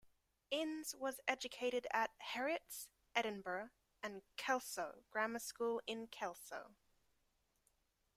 Innes was educated at Heriot's, Edinburgh, and Kelso Grammar School in Kelso.